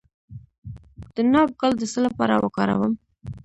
د ناک ګل د څه لپاره وکاروم؟